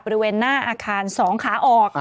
บริเวณหน้าอาคาร๒ขาออก